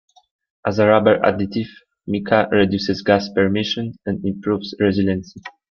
As a rubber additive, mica reduces gas permeation and improves resiliency.